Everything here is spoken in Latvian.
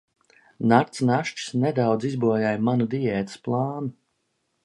Nakts našķis nedaudz izbojāja manu diētas plānu.